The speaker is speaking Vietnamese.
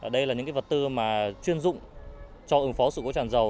đây là những vật tư mà chuyên dụng cho ứng phó sự cố tràn dầu